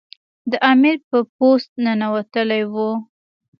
د امیر په پوست ننوتلی وو.